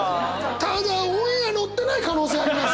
ただオンエアのってない可能性あります！